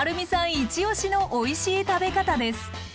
イチオシのおいしい食べ方です。